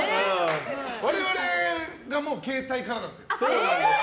我々がもう携帯からなんですよ。